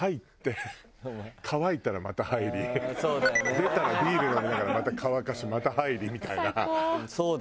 出たらビール飲みながらまた乾かしまた入りみたいな。